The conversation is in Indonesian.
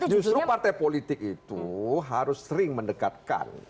justru partai politik itu harus sering mendekatkan